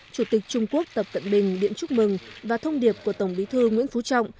chủ tịch trung quốc tập cận bình điện chúc mừng và thông điệp của tổng bí thư nguyễn phú trọng